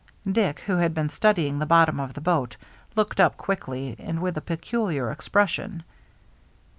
Dick, who had been studying the bottom of the boat, looked up quickly and with a peculiar expression.